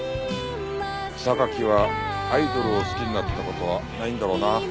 榊はアイドルを好きになった事はないんだろうな。